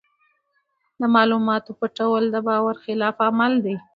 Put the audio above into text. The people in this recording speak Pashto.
د معلوماتو پټول د باور خلاف عمل دی.